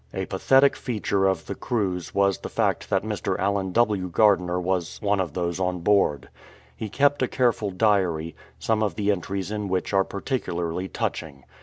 A pathetic feature of the cruise was the fact that Mr. Allen W. Gardiner was one of those on board. He kept a careful diary, some of the entries in which are particularly touching.